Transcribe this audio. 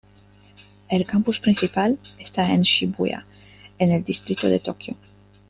El campus principal está en Shibuya, en el distrito de Tokio.